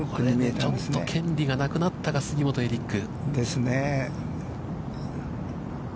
ちょっと権利がなくなったか、杉本エリック。ですね。